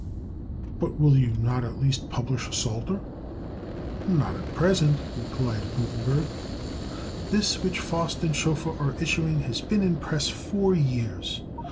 "But will you not at least publish a Psalter?" "Not at present," replied Gutenberg; "this which Faust and Schoeffer are issuing has been in press four years.